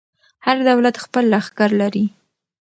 هر دولت خپل لښکر لري.